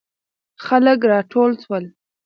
خلک راټول سول.